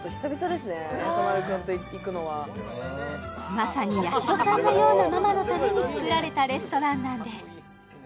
まさにやしろさんのようなママのためにつくられたレストランなんです